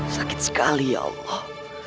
sakit sekali ya allah